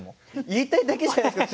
言いたいだけじゃないですか！